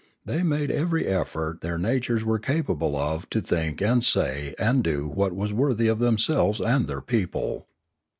They made every effort their natures were capable of to think and say and do what was worthy of themselves and their people.